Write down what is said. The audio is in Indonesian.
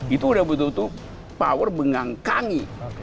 itu udah betul betul power mengangkangi